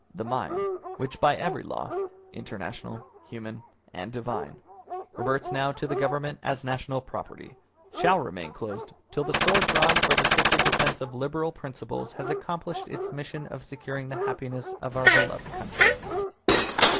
The mine, which by every law, international, human, and divine, reverts now to the Government as national property, shall remain closed till the sword drawn for the sacred defence of liberal principles has accomplished its mission of securing the happiness of our beloved country."